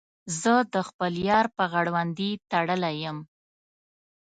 زه د خپل یار په غړوندي تړلی یم.